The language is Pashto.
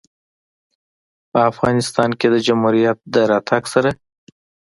په افغانستان کې د جمهوریت د راتګ سره